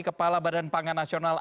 kepala badan pangan nasional